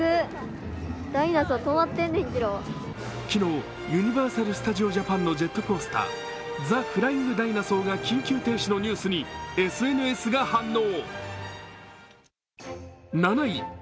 昨日、ユニバーサル・スタジオ・ジャパンのジェットコースター、ザ・フライング・ダイナソーが緊急停止のニュースにＳＮＳが反応。